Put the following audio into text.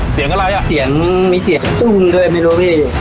เสียงอะไรอ่ะเสียงมีเสียงตุ้มด้วยไม่รู้พี่